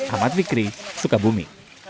ahmad fikri sukabumi